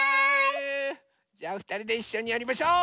じゃあふたりでいっしょにやりましょう！